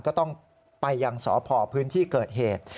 ก็ต้องไปยังสพพื้นที่เกิดเหตุ